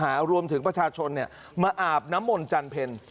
ให้ลูกศิษย์ลูกหารวมถึงประชาชนมาอาบน้ำมนต์จันทร์เพลิน